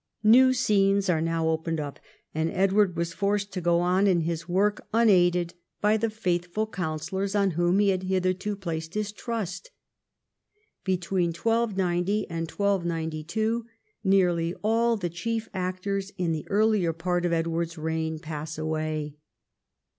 New scenes are now opened up, and Edward was forced to go on in his work, unaided by the faithful counsellors on whom he had hitherto placed his trust. Between 1290 and 1292 nearly all the chief actors in the earlier part of Edward's reign pass away.